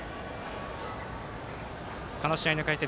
この試合の解説